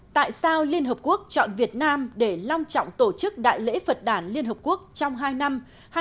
tại sao liên hợp quốc chọn việt nam để long trọng tổ chức đại lễ phật đản liên hợp quốc trong hai năm hai nghìn tám hai nghìn một mươi bốn